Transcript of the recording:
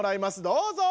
どうぞ！